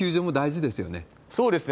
そうですね。